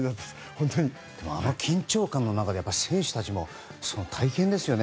あの緊張感の中で選手たちも大変ですよね。